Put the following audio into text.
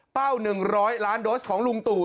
๑๐๐ล้านโดสของลุงตู่